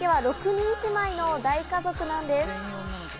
大川家は６人姉妹の大家族なんです。